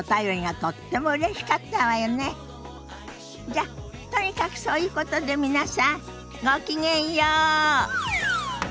じゃとにかくそういうことで皆さんごきげんよう。